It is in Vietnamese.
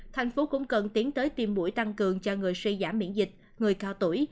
thành phố cũng cần tiến tới tiêm mũi tăng cường cho người suy giảm miễn dịch người cao tuổi